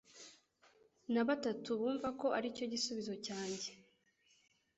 na batatu bumva ko aricyo gisubizo cyanjye